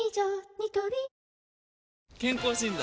ニトリ健康診断？